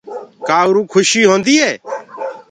ڪآ اُروئو کُشي هوندي ئي